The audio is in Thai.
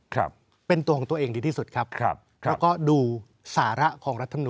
ครับเป็นตัวของตัวเองดีที่สุดครับครับแล้วก็ดูสาระของรัฐมนุน